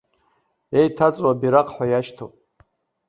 Еиҭаҵуа абираҟ ҳәа иашьҭоуп.